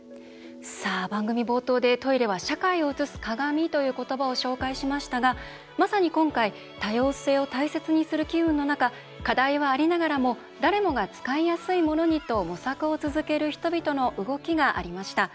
番組冒頭で「トイレは社会を映す鏡」という言葉を紹介しましたがまさに今回、多様性を大切にする機運の中課題はありながらも誰もが使いやすいものにと模索を続ける人々の動きがありました。